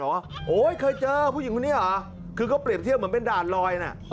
ขั้นไว้ว่าเคยเจอผู้หญิงคนนี้อ่ะคือก็เปรียบเที่ยงเหมือนเป็นดาดลอย